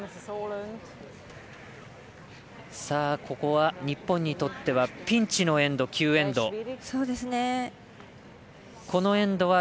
ここは日本にとってはピンチのエンド９エンド。